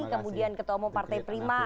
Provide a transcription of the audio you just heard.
kemudian ketua umum partai prima